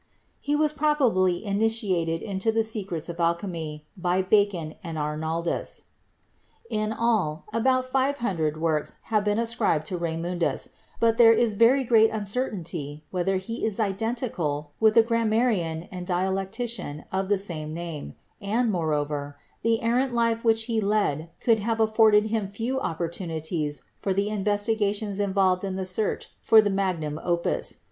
He was probably ini tiated into the secrets of alchemy by Bacon and Arnaldus. In all about 500 works have been ascribed to Raymun dus, but there is very great uncertainty whether he is iden tical with the grammarian and dialectician of the same name, and, moreover, the errant life which he led could have afforded him few opportunities for the investigations involved in the search for the "magnum opus."